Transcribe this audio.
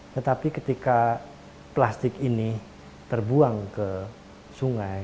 tetapi ketika plastik ini terbuang ke sungai terbuang ke laut terbuang ke air terbuang ke air